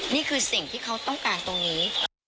นี่คือสิ่งที่เขาต้องการตรงนี้